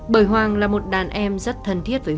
bởi hoàng là một đàn em rất thân thiết với